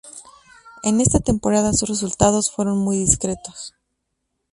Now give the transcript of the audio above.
En esta temporada sus resultados fueron muy discretos.